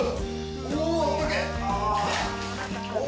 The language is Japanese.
おお。